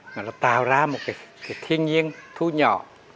nó tạo ra một cái thiên nhiên thú nhỏ